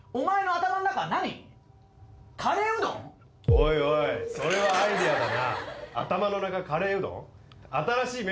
おいおいそれはアイデアだな。